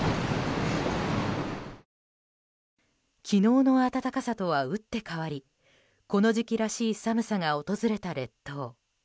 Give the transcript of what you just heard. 昨日の暖かさとは打って変わりこの時期らしい寒さが訪れた列島。